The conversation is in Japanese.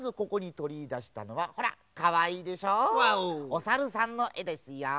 おさるさんのえですよ。